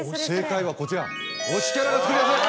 正解はこちら。